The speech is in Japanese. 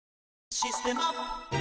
「システマ」